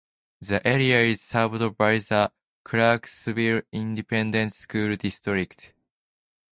The area is served by the Clarksville Independent School District.